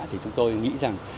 thì chúng tôi nghĩ rằng